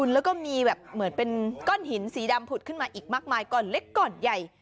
แล้วก็มีแบบเหมือนเป็นก้อนหินสีดำผุดขึ้นมาอีกมากมายก่อนเล็กก่อนใหญ่